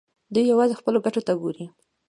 دوی یوازې خپلو ګټو ته ګوري.